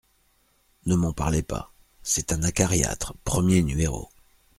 Ne m’en parlez pas… c’est un acariâtre, premier numéro…